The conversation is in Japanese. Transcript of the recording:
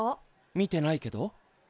見てないけど。